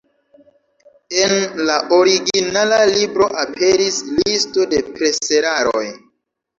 En la originala libro aperis listo de preseraroj.